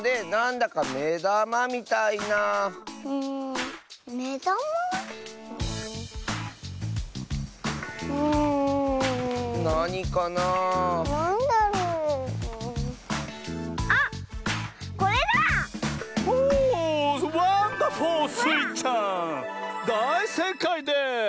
だいせいかいです！